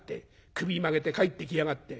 首曲げて帰ってきやがって。